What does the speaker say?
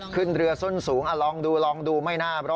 ขึ้นเรือส้นสูงลองดูไม่น่า